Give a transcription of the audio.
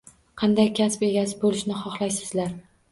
Qanday kasb egasi bo‘lishni xohlaysizlar?